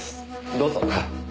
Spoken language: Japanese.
どうぞ。